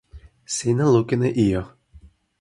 sina lukin e ijo.